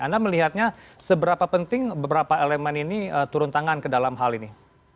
anda melihatnya seberapa penting beberapa elemen ini turun tangan ke dalam hal ini